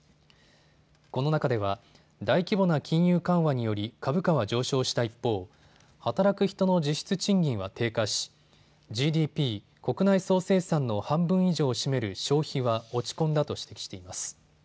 この中では大規模な金融緩和により株価は上昇した一方、働く人の実質賃金は低下しＧＤＰ・国内総生産の半分以上を占める消費は落ち込んだと指摘しています。